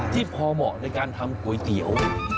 ที่พอเหมาะในการทำก๋วยเตี๋ยว